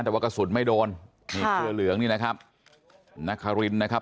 แต่ว่ากระสุนไม่โดนนี่เสื้อเหลืองนี่นะครับนักคารินนะครับ